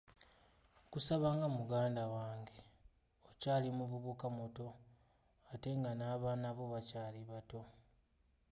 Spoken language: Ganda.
Nkusaba nga muganda wange, okyali muvubuka muto ate nga n'abaana bo bakyali bato.